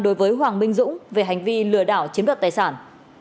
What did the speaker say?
đối với hoàng minh dũng về hành vi lừa đảo chiếm đoạt tài sản